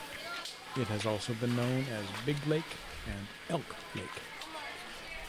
It has also been known as Big Lake and Elk Lake.